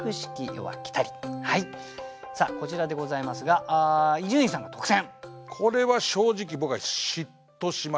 こちらでございますが伊集院さんが特選。